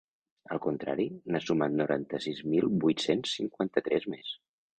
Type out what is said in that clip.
Al contrari, n’ha sumat noranta-sis mil vuit-cents cinquanta-tres més.